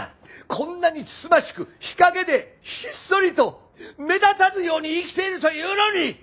こんなに慎ましく日陰でひっそりと目立たぬように生きているというのに！